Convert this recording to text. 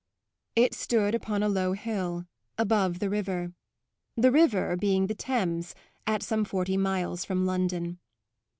It stood upon a low hill, above the river the river being the Thames at some forty miles from London.